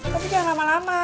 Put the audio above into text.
tapi jangan lama lama